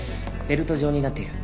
ベルト状になっている。